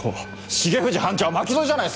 重藤班長は巻き添えじゃないっすか！